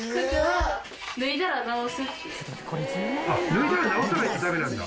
脱いだら直さないとダメなんだ？